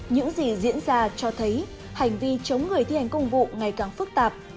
những gì diễn ra cho thấy hành vi chống người thiền công vụ ngày càng phức tạp